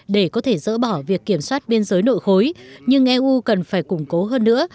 để có thể dỡ bỏ việc kiểm soát biên giới nội khối nhưng eu cần phải củng cố hơn nữa